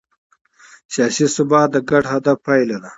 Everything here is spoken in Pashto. سیاسي ثبات د ګډ هدف پایله ده